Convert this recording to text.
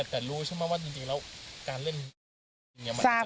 แต่รู้ใช่ไหมว่าจริงแล้วการเล่น